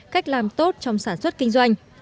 cách làm tốt trong sản xuất kinh doanh